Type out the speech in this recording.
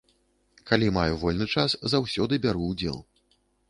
Калі маю вольны час, заўсёды бяру ўдзел.